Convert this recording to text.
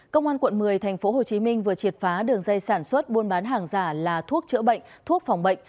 công an quận một mươi tp hcm vừa triệt phá đường dây sản xuất buôn bán hàng giả là thuốc chữa bệnh thuốc phòng bệnh